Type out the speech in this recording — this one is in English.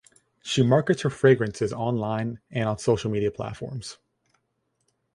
She markets her fragrances online and on social media platforms.